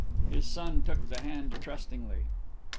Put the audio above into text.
His son took the hand trustingly.